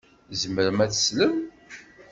Tzemrem ad teslem?